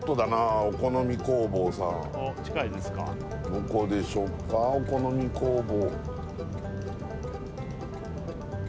どこでしょうかおこのみ工房